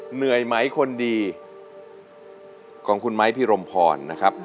เหนื่อยไหมคนดีของคุณไม้พิรมพรนะครับ